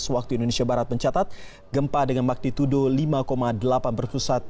waktu indonesia barat mencatat gempa dengan magnitudo lima delapan berpusat